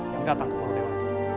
yang datang ke baru dewa